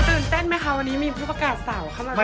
ตื่นเต้นไหมคะวันนี้มีผู้ประกาศสาวเข้ามาด้วย